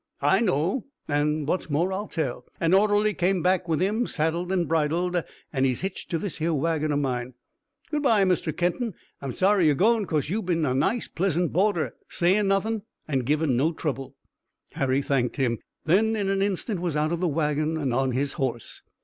"I know, an' what's more I'll tell. An orderly came back with him saddled an' bridled an' he's hitched to this here wagon o' mine. Good bye, Mr. Kenton, I'm sorry you're goin' 'cause you've been a nice, pleasant boarder, sayin' nothin' an' givin' no trouble." Harry thanked him, and then in an instant was out of the wagon and on his horse.